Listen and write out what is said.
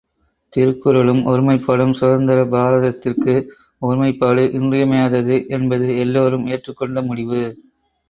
திருக்குறளும் ஒருமைப்பாடும் சுதந்திர பாரதத்திற்கு ஒருமைப்பாடு இன்றியமையாதது என்பது எல்லோரும் ஏற்றுக் கொண்ட முடிபு.